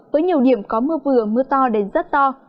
với nhiều điểm có mưa vừa mưa to đến rất to